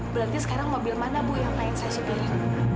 berarti sekarang mobil mana bu yang main saya sopirin